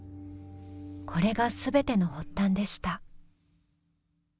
これが全ての発端でした。